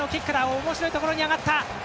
おもしろいところに上がった。